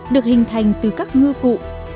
được hình thành từ các ngư cụ